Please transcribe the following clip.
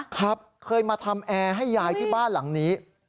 ครับเคยมาทำแอร์ให้ยายที่บ้านหลังนี้